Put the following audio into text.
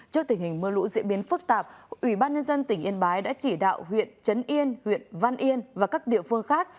trước tình hình mưa lũ diễn biến phức tạp ủy ban nhân dân tỉnh yên bái đã chỉ đạo huyện trấn yên huyện văn yên và các địa phương khác